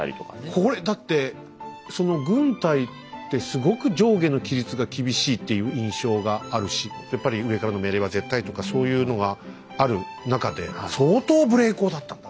これだって軍隊ってすごく上下の規律が厳しいっていう印象があるしやっぱり上からの命令は絶対とかそういうのがある中で相当無礼講だったんだ。